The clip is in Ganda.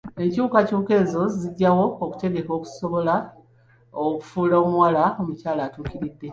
Enkyukakyuka ezo zijjawo kutegeka okusobola okufuula omuwala omukyala atuukiridde.